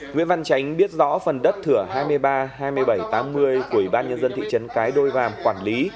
nguyễn văn tránh biết rõ phần đất thửa hai mươi ba hai mươi bảy tám mươi của ủy ban nhân dân thị trấn cái đôi vàm quản lý